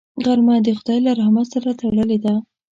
غرمه د خدای له رحمت سره تړلې ده